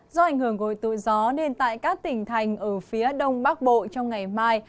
do ảnh hưởng của tội gió nên tại các tỉnh thành ở phía đông bắc bộ trong ngày mai